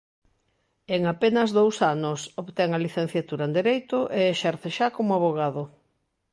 En apenas dous anos, obtén a licenciatura en Dereito e exerce xa como avogado.